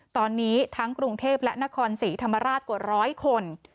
ตอนนี้ทั้งกรุงเทพและนครศรีธรรมราชกว่าร้อยคน